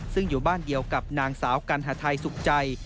ซึ่งอยู่บ้านเดียวกับนางสาวกัณหาไทยสุขใจ